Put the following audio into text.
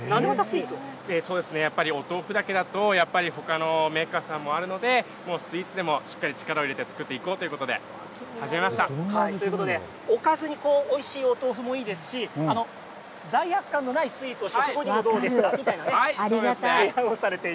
そうですね、やっぱりお豆腐だけだとほかのメーカーさんもあるのでスイーツでも力を入れて作っていこうということでということでおかずにおいしいお豆腐もいいですし罪悪感のないスイーツ食後にもどうですかみたいな。